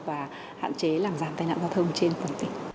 và hạn chế làm giảm tai nạn giao thông trên toàn tỉnh